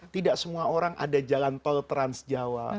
tidak semua orang ada jalan tol trans jawa